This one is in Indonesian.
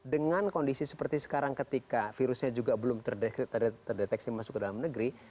dengan kondisi seperti sekarang ketika virusnya juga belum terdeteksi masuk ke dalam negeri